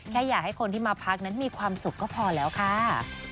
แค่อยากให้คนที่มาพักนั้นมีความสุขก็พอแล้วค่ะ